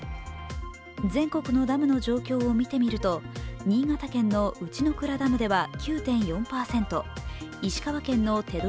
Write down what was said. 全国のダムの状況を見てみると新潟県の内の倉ダムでは９．４％石川県の手取